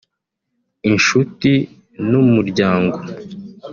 inshuti n’umuryango